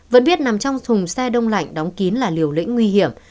vẫn biết nằm trong thùng xe đông lạnh đóng kín là liều lĩnh nguy hiểm